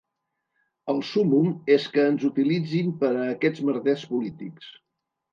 El súmmum és que ens utilitzin per a aquests merders polítics.